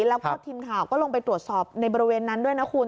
แล้วก็ทีมข่าวก็ลงไปตรวจสอบในบริเวณนั้นด้วยนะคุณ